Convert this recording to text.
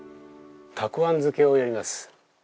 たくあん漬けをやります。